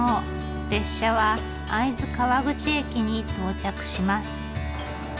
列車は会津川口駅に到着します。